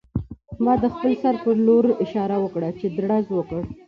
ما د خپل سر په لور اشاره وکړه چې ډز وکړه